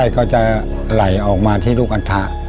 แล้วไส้ก็จะไหลออกมาที่ลูกอรรถา